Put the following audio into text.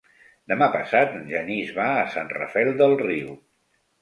Demà passat en Genís va a Sant Rafel del Riu.